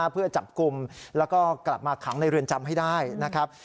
เพื่อจับกลุ่มแล้วก็กลับมาขังในเรือนจำให้ได้นะครับ